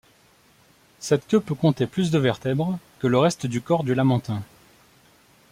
Cette queue peut compter plus de vertèbres que le reste du corps du lamantin.